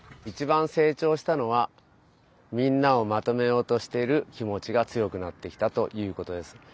いちばんせいちょうしたのはみんなをまとめようとしている気持ちがつよくなってきたということです。